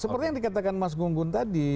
seperti yang dikatakan mas gunggun tadi